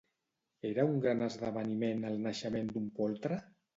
Era un gran esdeveniment el naixement d'un poltre?